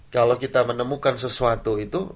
kalau kita menemukan sesuatu itu